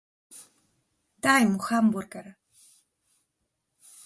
Daj mu hamburger.